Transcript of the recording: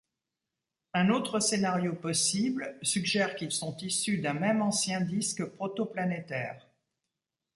Un autre scenario possible suggère qu'ils sont issus d'un même ancien disque protoplanétaire.